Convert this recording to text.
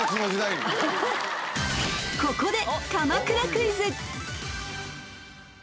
［ここで］